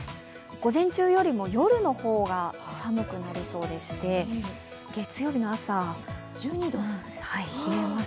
午前中よりも夜の方が寒くなりそうでして月曜日の朝、冷えます。